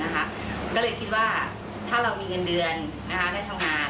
ก็เลยคิดว่าถ้าเรามีเงินเดือนได้ทำงาน